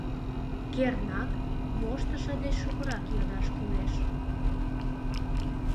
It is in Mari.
Кернак, моштышо деч шукырак йодаш кӱлеш.